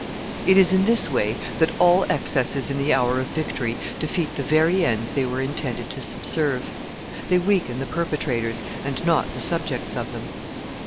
It is in this way that all excesses in the hour of victory defeat the very ends they were intended to subserve. They weaken the perpetrators, and not the subjects of them.